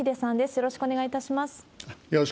よろしくお願いします。